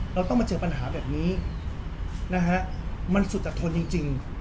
เราต้องมาเจอปัญหาแบบนี้นะฮะมันสุจทนจริง